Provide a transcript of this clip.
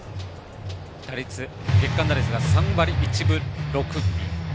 月間打率が３割１分６厘。